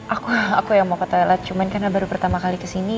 aku aku yaro telat cuman karena baru pertama kali kes pieces